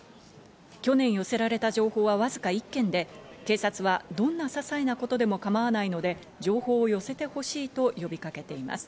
去年、寄せられた情報はわずか１件で警察は、どんなささいなことでも構わないので、情報を寄せてほしいと呼びかけています。